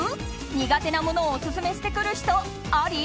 苦手なものをオススメしてくる人あり？